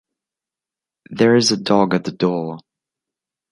There is a dog at the door.